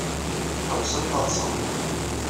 Ḥebsen taḍsa.